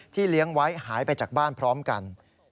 เลี้ยงไว้หายไปจากบ้านพร้อมกัน